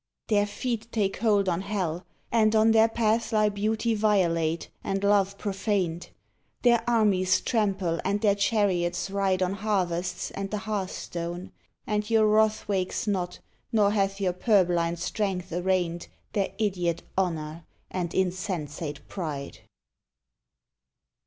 Their feet take hold on Hell, and on their path Lie Beauty violate and Love profaned; Their armies trample and their chariots ride On harvests and the hearth stone, and your wrath Wakes not, nor hath your purblind strength arraigned Their idiot "honor" and insensate pride!